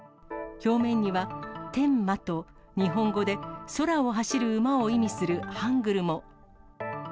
表面には天馬と日本語で空を走る馬を意味するハングルも。